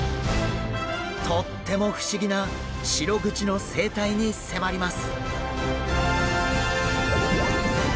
とっても不思議なシログチの生態に迫ります！